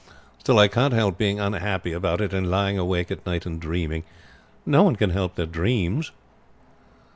Still I can't help being unhappy about it, and lying awake at night and dreaming. No one can help their dreams."